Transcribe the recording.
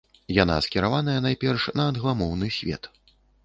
Яна скіраваная найперш на англамоўны свет.